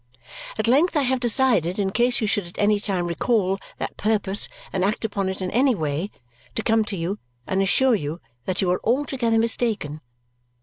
At length I have decided, in case you should at any time recall that purpose and act upon it in any way, to come to you and assure you that you are altogether mistaken.